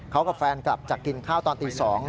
เขากับแฟนกลับจากกินข้าวตอนตี๒